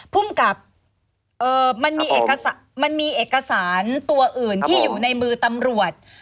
ภูมิกับเอ่อมันมีเอกสารมันมีเอกสารตัวอื่นที่อยู่ในมือตำรวจ